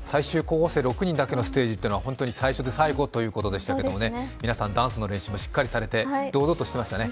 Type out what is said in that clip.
最終候補生６人だけのステージというのは本当に最初と最後ということでしたが皆さん、ダンスの練習もしっかりされて堂々としていましたね。